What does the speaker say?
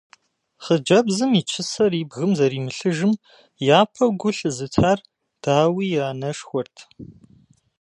Хъыджэбзым и чысэр и бгым зэримылъыжым япэу гу лъызытар, дауи, и анэшхуэрт.